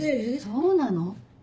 そうなの？